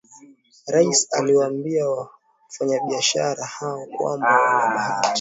Rais aliwaambia wafanyabiashara hao kwamba wana bahati